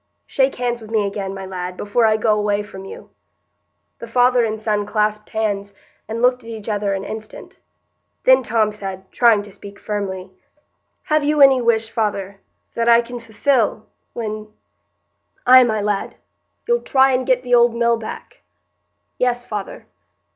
Shake hands wi' me again, my lad, before I go away from you." The father and son clasped hands and looked at each other an instant. Then Tom said, trying to speak firmly,— "Have you any wish, father—that I can fulfil, when——" "Ay, my lad—you'll try and get the old mill back." "Yes, father."